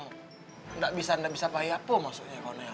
nggak bisa nggak bisa payah pun maksudnya kau nelang